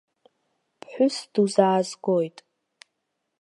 Ԥҳәыс дузаазгоит.